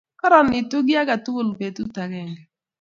kororonitu kiy agetugul betut agenke